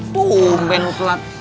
tuh umben lo telat